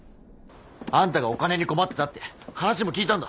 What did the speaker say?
あんたがお金に困ってたって話も聞いたんだ